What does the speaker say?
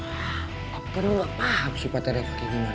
ah abgar lo gak paham sih patah reva kayak gimana